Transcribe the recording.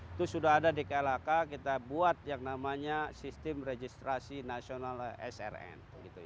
itu sudah ada di klhk kita buat yang namanya sistem registrasi nasional srn